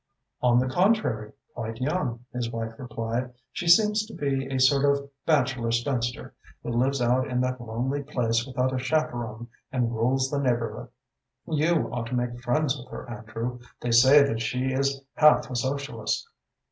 "On the contrary, quite young," his wife replied. "She seems to be a sort of bachelor spinster, who lives out in that lonely place without a chaperon and rules the neighborhood. You ought to make friends with her, Andrew. They say that she is half a Socialist.